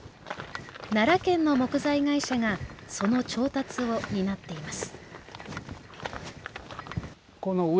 奈良県の木材会社がその調達を担っています